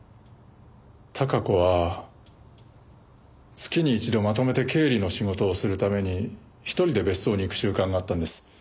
孝子は月に１度まとめて経理の仕事をするために１人で別荘に行く習慣があったんです。